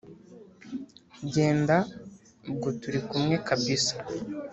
genda ubwo turikumwe kabisa"